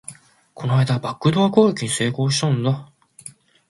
この間、バックドア攻撃に成功したんだ